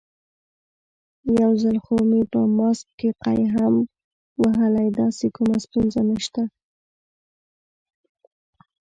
یو ځل خو مې په ماسک کې قی هم وهلی، داسې کومه ستونزه نشته.